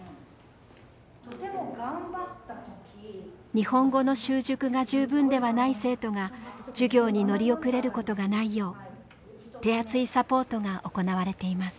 日本語の習熟が十分ではない生徒が授業に乗り遅れることがないよう手厚いサポートが行われています。